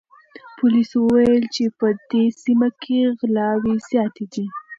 پولیسو وویل چې په دې سیمه کې غلاوې زیاتې دي.